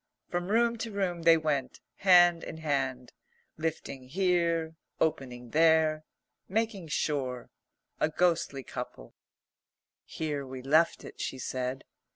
From room to room they went, hand in hand, lifting here, opening there, making sure a ghostly couple. "Here we left it," she said.